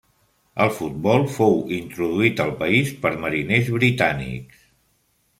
El futbol fou introduït al país per mariners britànics.